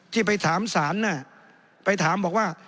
ที่ไปถามศาลไปถามบอกว่า